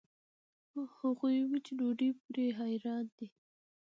هغوي وچې ډوډوۍ پورې حېران دي.